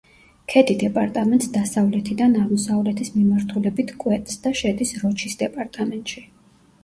ქედი დეპარტამენტს დასავლეთიდან აღმოსავლეთის მიმართულებით კვეთს და შედის როჩის დეპარტამენტში.